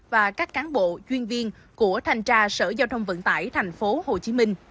và các cán bộ chuyên viên của thành tra sở giao thông vận tải tp hcm